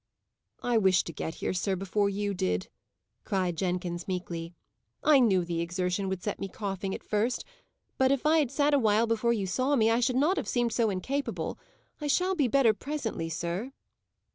"I wished to get here, sir, before you did," cried Jenkins, meekly. "I knew the exertion would set me coughing at first, but, if I had sat awhile before you saw me, I should not have seemed so incapable. I shall be better presently, sir."